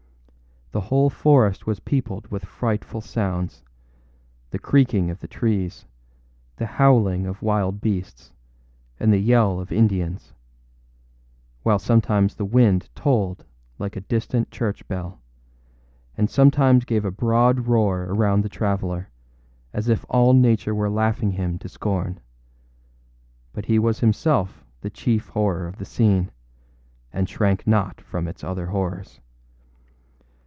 The whole forest was peopled with frightful soundsâthe creaking of the trees, the howling of wild beasts, and the yell of Indians; while sometimes the wind tolled like a distant church bell, and sometimes gave a broad roar around the traveller, as if all Nature were laughing him to scorn. But he was himself the chief horror of the scene, and shrank not from its other horrors.